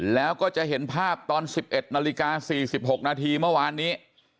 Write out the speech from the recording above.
แล้วก็จะเห็นภาพตอน๑๑นาฬิกา๔๖นาทีเมื่อวานนี้